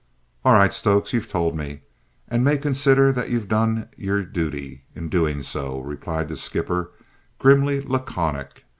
"All right, Stokes; you've told me, and may consider that you've done your duty in doing so," replied the skipper, grimly laconic.